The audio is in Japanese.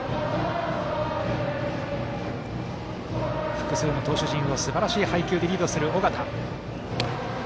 複数の投手陣をすばらしい配球でリードする尾形。